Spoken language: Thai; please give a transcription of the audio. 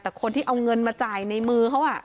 แต่คนที่เอาเงินมาจ่ายในมือเขา